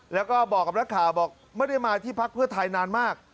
แล้วก็บอกกับนักข่าวบอกไม่ได้มาที่พักเพื่อไทยนานมาก